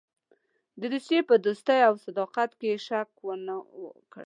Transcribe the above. د روسیې په دوستۍ او صداقت کې یې شک ونه کړ.